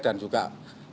dan juga penyelamat